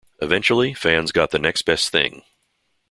Eventually, fans got the next best thing.